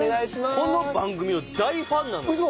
この番組の大ファンなのよ。